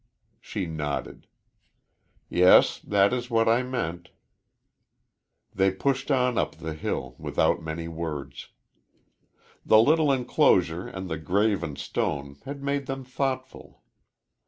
She nodded. "Yes; that is what I meant." They pushed on up the hill, without many words. The little enclosure and the graven stone had made them thoughtful.